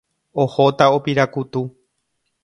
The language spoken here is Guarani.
Ohóta opirakutu.